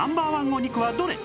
お肉はどれ？